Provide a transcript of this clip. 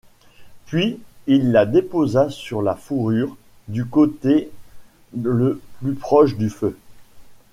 Puis il la déposa sur la fourrure, du côté le plus proche du feu.